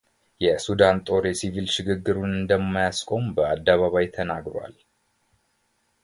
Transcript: የሱዳን ጦር የሲቪል ሽግግሩን እንደማያስቆም በአደባባይ ተናግሯል